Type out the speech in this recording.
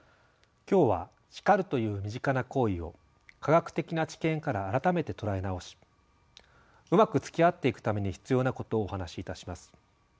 今日は「叱る」という身近な行為を科学的な知見から改めて捉え直しうまくつきあっていくために必要なことをお話しいたします。